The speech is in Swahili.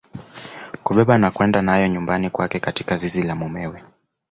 Kubeba na kwenda nayo nyumbani kwake katika zizi la mumewe